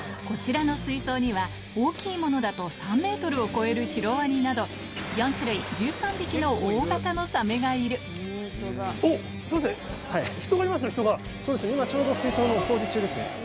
こちらの水槽には、大きいものだと３メートルを超えるシロワニなど、４種類１３匹のおっ、すみません、人がいまそうですね。